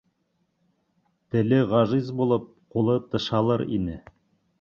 Теле ғажиз булып, ҡулы тышалыр ине.